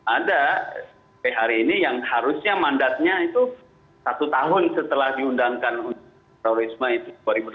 ada hari ini yang harusnya mandatnya itu satu tahun setelah diundangkan terorisme itu